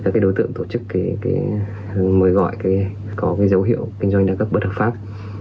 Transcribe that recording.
các đối tượng tổ chức mời gọi có dấu hiệu kinh doanh đa cấp bất hợp pháp